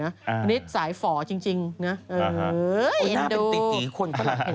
คนนี้สายฝ่อจริงนะเฮ้ยเอ็นดู